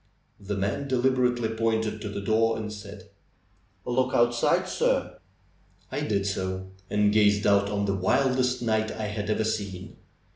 The man deliberately pointed to the door and said: '^Look outside, sir!" I did so, and gazed out on the wildest night I had ever seen.